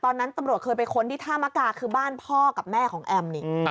ตอนนั้นตำรวจเคยไปค้นที่ท่ามกาคือบ้านพ่อกับแม่ของแอมนี่